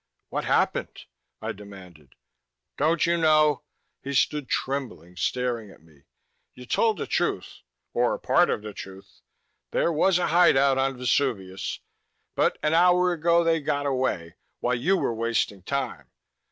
"What happened?" I demanded. "Don't you know?" He stood trembling, staring at me. "You told the truth or part of the truth. There was a hideout on Vesuvius. But an hour ago they got away while you were wasting time.